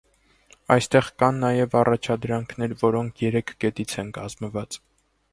Այստեղ կան նաև առաջադրանքներ, որոնք երեք կետից են կազմված։